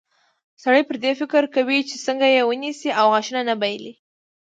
سړی پر دې فکر کوي چې څنګه یې ونیسي او غاښونه نه بایلي.